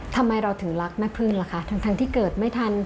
ทำไมเราถึงรักแม่พึ่งล่ะคะทั้งที่เกิดไม่ทัน